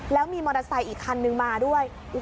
แล้วมีมอเตอร์ไซค์อีกคันนึงมาด้วย